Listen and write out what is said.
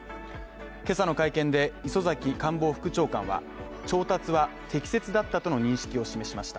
今朝の会見で磯崎官房副長官は、調達は適切だったとの認識を示しました。